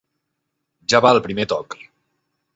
"Ja va el primer toc"